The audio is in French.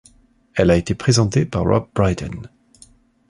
Elle a été présentée par Rob Brydon.